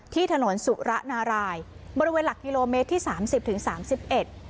ที่ถนนสุระนารายบริเวณหลักกิโลเมตรที่สามสิบถึงสามสิบเอ็ด